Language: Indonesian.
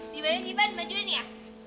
di mana sih pan bantuin ya